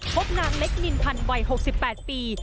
พบนางเล็กนินพันธ์วัย๖๘ปี